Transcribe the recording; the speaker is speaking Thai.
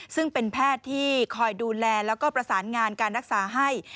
ซึ่งเป็นแพทย์ที่คอยดูแลแล้วก็ประสานงานการรักษาให้